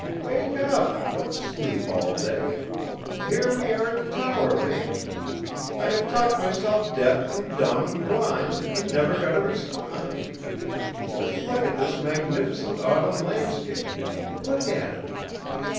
wake up! Don't sleep all day! Here we are at the Tower, man! I have talked myself deaf and dumb and blind, and never got a response. Just look at this magnificent autumn landscape! Look at it!